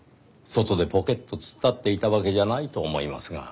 外でポケっと突っ立っていたわけじゃないと思いますが。